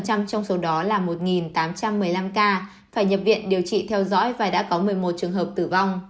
trong số đó là một tám trăm một mươi năm ca phải nhập viện điều trị theo dõi và đã có một mươi một trường hợp tử vong